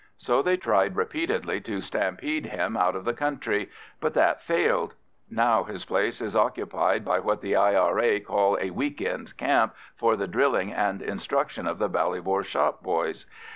So they tried repeatedly to stampede him out of the country, but that failed. Now his place is occupied by what the I.R.A. call a week end camp for the drilling and instruction of the Ballybor shop boys.